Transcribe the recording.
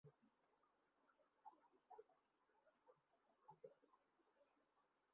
দক্ষিণ কোরিয়া সরকার চার দশক ধরে এই গণহত্যা গোপন করার চেষ্টা করেছিল।